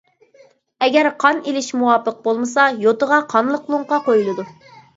ئەگەر قان ئېلىش مۇۋاپىق بولمىسا، يوتىغا قانلىق لوڭقا قويۇلىدۇ.